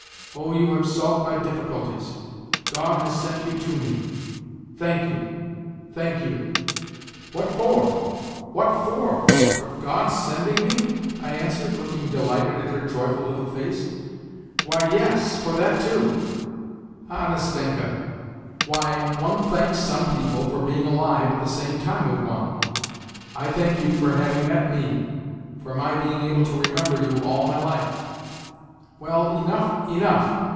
" Oh, you have solved my difficulties: God has sent you to" me ! Thank you, thank you I "* 32 WHITE NIGHTS " What for ? What for ? For God's sending me ?" I answered, looking delighted at her joyful little face. " Why, yes ; for that too." " Ah, Nastenka ! Why, one thanks some people for being alive at the same time with one ; I thank you for having met me, for my being able to remember you all my life !"" Well, enough, enough